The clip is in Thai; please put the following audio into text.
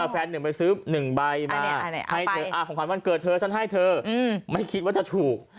แฟนหนึ่งไปซื้อ๑ใบมาให้เธอของขวัญวันเกิดเธอฉันให้เธอไม่คิดว่าจะถูก